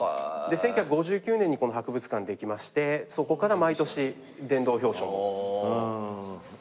１９５９年にこの博物館できましてそこから毎年殿堂表彰を。